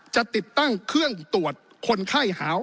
จะติดตั้งเครื่องตรวจคนไข้หาว